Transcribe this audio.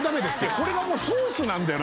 これがもうソースなんだよな